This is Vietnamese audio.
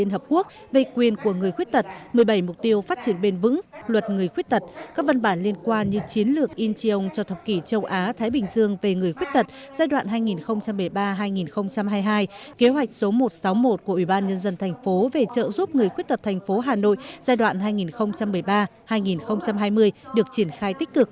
hội người khuyết tật tp hà nội